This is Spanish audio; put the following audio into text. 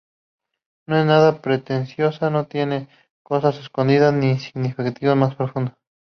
No es nada pretenciosa, no tiene cosas escondidas, ni significados más profundos.